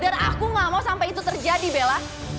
dan aku gak mau sampai itu terjadi bella